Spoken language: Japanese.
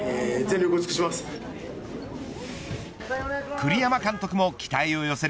栗山監督も期待を寄せる